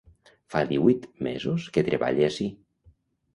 Fa díhuit mesos que treballe ací.